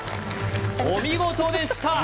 お見事でした